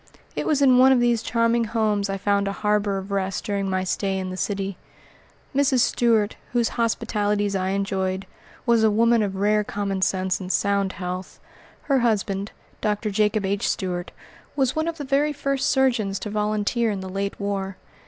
It was in one of these charming homes I found a harbor of rest during my stay in the city. Mrs. Stuart, whose hospitalities I enjoyed, was a woman of rare common sense and sound health. Her husband, Dr. Jacob H. Stuart, was one of the very first surgeons to volunteer in the late war.